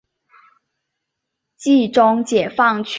冀中解放区设。